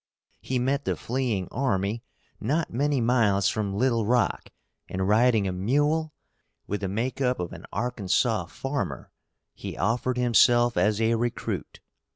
He met the fleeing army not many miles from Little Rock, and, riding a mule, with the make up of an Arkansas farmer, he offered himself as a recruit.